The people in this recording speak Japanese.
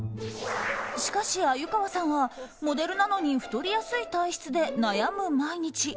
しかし鮎河さんはモデルなのに太りやすい体質で悩む毎日。